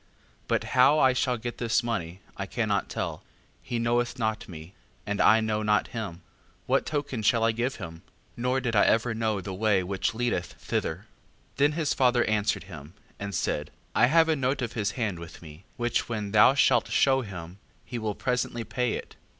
5:2. But how I shall get this money, I cannot tell; he knoweth not me, and I know not him: what token shall I give him? nor did I ever know the way which leadeth thither. 5:3. Then his father answered him, and said: I have a note of his hand with me, which when thou shalt shew him, he will presently pay it.